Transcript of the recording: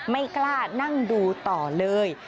ไม่กล้านั่งดูต่อเลย